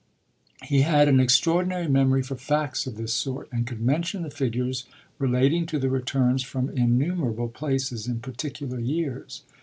He had an extraordinary memory for facts of this sort, and could mention the figures relating to the returns from innumerable places in particular years.